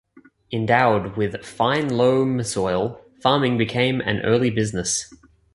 Endowed with fine loam soil, farming became an early business.